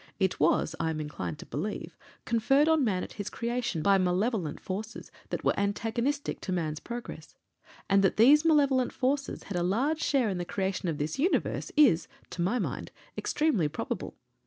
It was, I am inclined to believe, conferred on man at his creation by Malevolent Forces that were antagonistic to man's progress; and that these Malevolent Forces had a large share in the creation of this universe is, to my mind, extremely probable.